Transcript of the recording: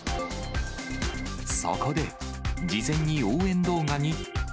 そこで事前に応援動画に＃